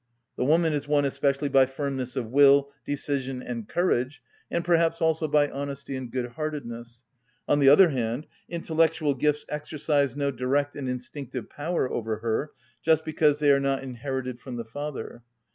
The woman is won especially by firmness of will, decision, and courage, and perhaps also by honesty and good‐heartedness. On the other hand, intellectual gifts exercise no direct and instinctive power over her, just because they are not inherited from the father.